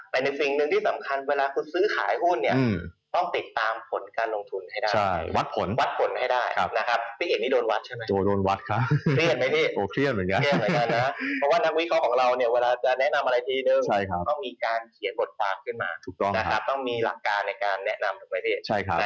ต้องมีหลักการในการแนะนำทุกประเทศ